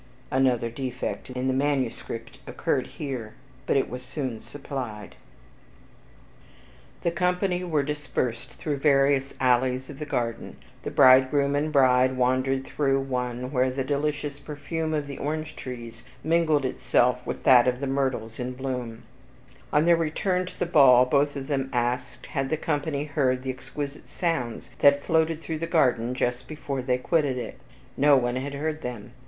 (Another defect in the manuscript occurred here, but it was soon supplied.) ..... The company were dispersed through various alleys of the garden; the bridegroom and bride wandered through one where the delicious perfume of the orange trees mingled itself with that of the myrtles in blow. On their return to the ball, both of them asked, Had the company heard the exquisite sounds that floated through the garden just before they quitted it? No one had heard them.